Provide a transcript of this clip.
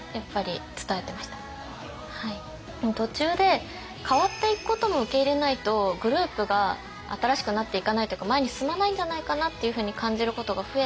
でも途中で変わっていくことも受け入れないとグループが新しくなっていかないというか前に進まないんじゃないかなっていうふうに感じることが増えて。